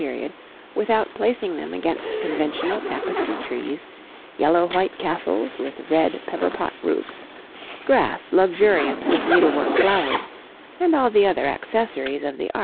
period without placing them against conventional tapestry trees, yellow white castles with red, pepper pot roofs, grass luxuriant with needlework flowers, and all the other accessories of the art.